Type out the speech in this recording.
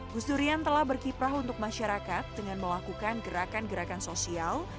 gus durian telah berkiprah untuk masyarakat dengan melakukan gerakan gerakan sosial